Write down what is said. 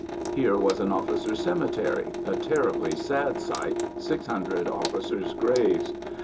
Here was an officers' cemetery, a terribly sad sight, six hundred officers' graves.